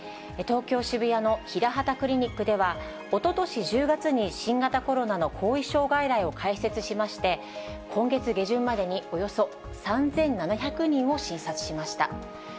東京・渋谷のヒラハタクリニックでは、おととし１０月に新型コロナの後遺症外来を開設しまして、今月下旬までにおよそ３７００人を診察しました。